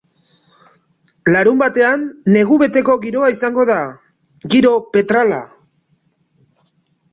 Larunbatean, negu beteko giroa izango da, giro petrala.